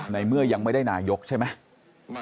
ในเมื่อยังไม่ได้นายกใช่ไหม